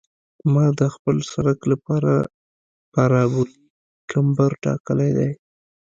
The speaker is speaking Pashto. ما د خپل سرک لپاره پارابولیک کمبر ټاکلی دی